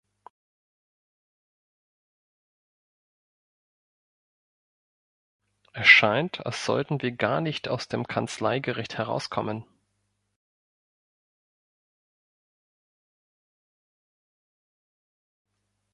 Es scheint, als sollten wir gar nicht aus dem Kanzleigericht herauskommen!